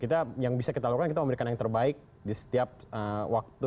kita yang bisa kita lakukan kita memberikan yang terbaik di setiap waktu